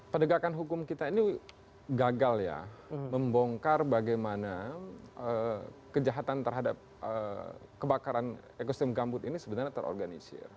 penegakan hukum kita ini gagal ya membongkar bagaimana kejahatan terhadap kebakaran ekosistem gambut ini sebenarnya terorganisir